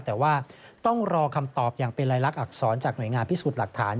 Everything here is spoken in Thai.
แต่ว่าต้องรอคำตอบอย่างเป็นรายลักษณอักษรจากหน่วยงานพิสูจน์หลักฐาน